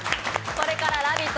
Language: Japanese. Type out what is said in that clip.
これから「ラヴィット！」